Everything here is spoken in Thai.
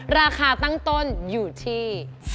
ราคาตั้งต้นอยู่ที่